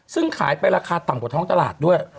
ซึ่งขายไปราคาต่ำกว่าท้องตลาดด้วย